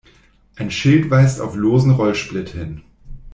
Ein Schild weist auf losen Rollsplitt hin.